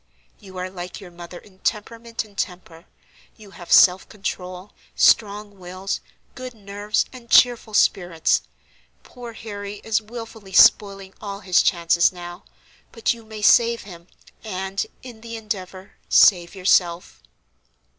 You are like your mother in temperament and temper; you have self control, strong wills, good nerves, and cheerful spirits. Poor Harry is willfully spoiling all his chances now; but you may save him, and, in the endeavor, save yourself."